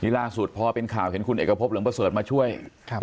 ล่าสุดพอเป็นข่าวเห็นคุณเอกพบเหลืองประเสริฐมาช่วยครับ